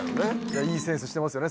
いいセンスしてますよね